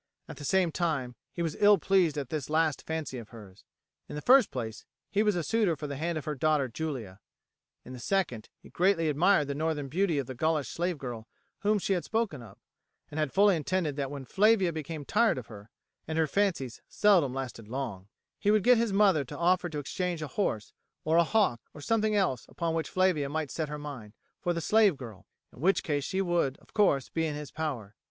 At the same time he was ill pleased at this last fancy of hers. In the first place, he was a suitor for the hand of her daughter Julia. In the second, he greatly admired the northern beauty of the Gaulish slave girl whom she had spoken of, and had fully intended that when Flavia became tired of her and her fancies seldom lasted long he would get his mother to offer to exchange a horse, or a hawk, or something else upon which Flavia might set her mind, for the slave girl, in which case she would, of course, be in his power.